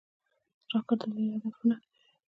راکټ د لرې هدف په نښه کوي